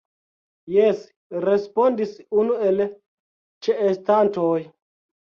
Jes, respondis unu el ĉeestantoj.